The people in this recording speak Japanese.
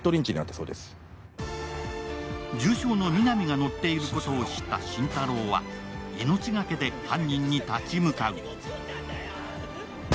重傷の皆実が乗っていることを知った心太朗は、命がけで犯人に立ち向かう。